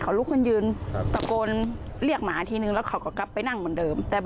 เขาลุกขึ้นยืนตะโกนเรียกหมาทีนึงแล้วเขาก็กลับไปนั่งเหมือนเดิม